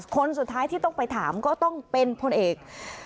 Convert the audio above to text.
คนสุดท้ายที่ต้องไปถามก็ต้องเป็นพลเอก